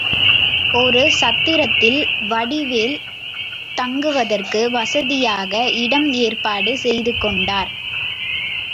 ஒரு சத்திரத்தில் வடிவேல் தங்குவதற்கு வசதியாக இடம் ஏற்பாடு செய்துகொண்டார்.